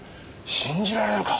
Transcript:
信じられるか？